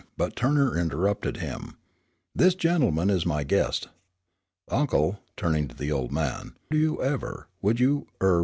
But Turner interrupted him. "This gentleman is my guest. Uncle," turning to the old man, "do you ever would you er.